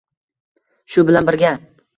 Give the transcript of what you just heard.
Shu bilan birga